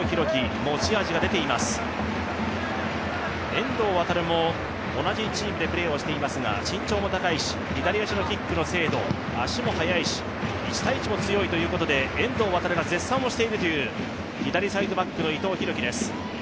遠藤航も同じチームでプレーをしていますが左足のキックの精度、足も速いし、１対１も強いということで遠藤航が絶賛しているという左サイドバックの伊藤洋輝です。